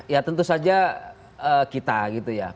ya tentu saja kita gitu ya